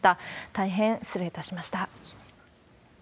大変失礼いたしました。